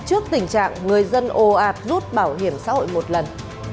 trước tình trạng người dân ồ ạt rút bảo hiểm xã hội một lần